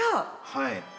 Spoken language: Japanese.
はい。